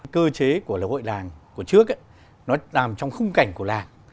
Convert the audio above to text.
cơ chế của lễ hội làng của trước nó làm trong khung cảnh của làng